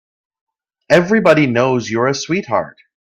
Everybody knows you're a sweetheart.